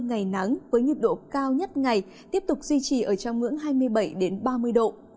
ngày nắng với nhiệt độ cao nhất ngày tiếp tục duy trì ở trong ngưỡng hai mươi bảy ba mươi độ